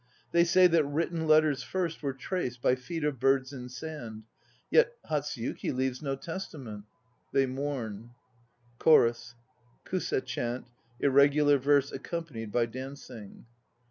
They say that written letters first were traced By feet of birds in sand Yet Hatsuyuki leaves no testament. (They mourn.) CHORUS ("kuse" chant, irregular verse accompanied by dancing).